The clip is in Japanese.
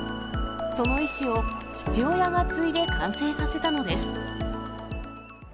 その遺志を父親が継いで完成させたのです。